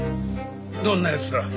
どんな奴だ？